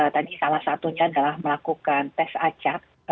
tadi salah satunya adalah melakukan tes acak